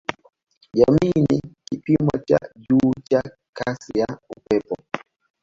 Jamii ni kipimo cha juu cha kasi ya upepo